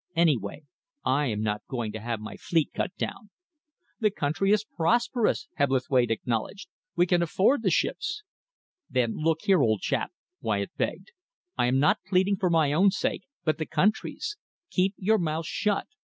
Any way, I am not going to have my fleet cut down." "The country is prosperous," Hebblethwaite acknowledged. "We can afford the ships." "Then look here, old chap," Wyatt begged, "I am not pleading for my own sake, but the country's. Keep your mouth shut.